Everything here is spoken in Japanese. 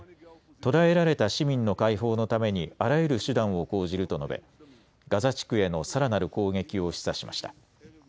捕らえられた市民の解放のためにあらゆる手段を講じると述べガザ地区へのさらなる攻撃を示唆しました。